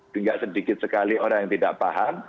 tidak sedikit sekali orang yang tidak paham